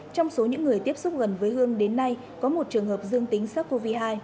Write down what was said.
trong số những người tiếp xúc gần với hơn đến nay có một trường hợp dương tính sars cov hai